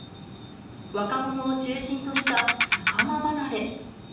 若者を中心とした魚離れ。